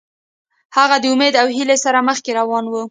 هغه د امید او هیلې سره مخکې روان و.